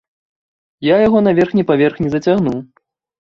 Я яго на верхні паверх не зацягну.